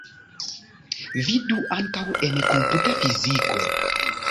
Vidu ankaŭ en komputa fiziko.